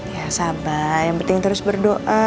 ya sabar yang penting terus berdoa